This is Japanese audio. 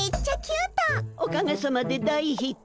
おかげさまで大ヒット。